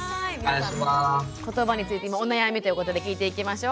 「ことば」について今お悩みということで聞いていきましょう。